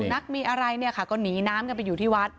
สูงนักมีอะไรก็หนีน้ำไปอยู่ที่วัด